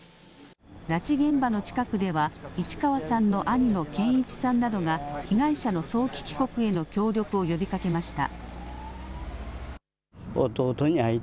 拉致現場の近くでは市川さんの兄の健一さんなどが被害者の早期帰国への協力を呼びかけました。